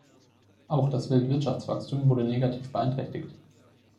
Auch das Weltwirtschaftswachstum wurde negativ beeinträchtigt.